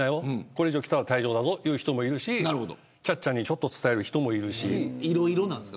これ以上来たら退場だと、という人もいるしキャッチャーにちょっと伝える人もいるし。